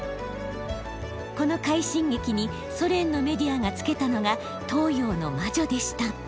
この快進撃にソ連のメディアが付けたのが「東洋の魔女」でした。